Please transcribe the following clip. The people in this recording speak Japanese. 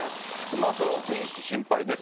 まずはお天気、心配です。